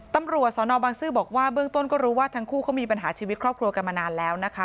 ตำรวจสนบังซื้อบอกว่าเบื้องต้นก็รู้ว่าทั้งคู่เขามีปัญหาชีวิตครอบครัวกันมานานแล้วนะคะ